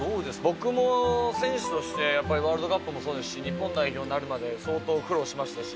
僕も選手として、やっぱりワールドカップもそうですし、日本代表になるまで相当苦労しましたし。